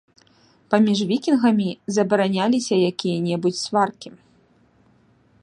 Паміж вікінгамі забараняліся якія-небудзь сваркі.